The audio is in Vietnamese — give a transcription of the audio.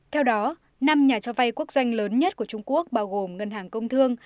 theo đó năm nhà cho vay quốc doanh lớn nhất của trung quốc bao gồm ngân hàng công thương